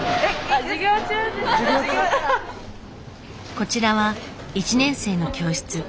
こちらは１年生の教室。